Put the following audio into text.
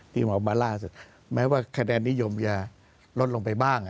ออกมาล่าสุดแม้ว่าคะแนนนิยมจะลดลงไปบ้าง